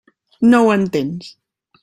No ho entens.